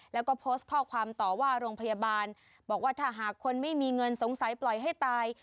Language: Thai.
แล้วก็โพสต์ข้อความต่อว่าโรงพยาบาลบอกว่าถ้าหากคนไม่มีเงินสงสัยปล่อยให้ตาย